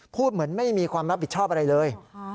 พูดเหมือนไม่มีความรับผิดชอบอะไรเลย